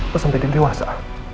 mau sampai dia dewasa